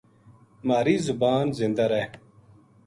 مھاری زبان زندہ رہ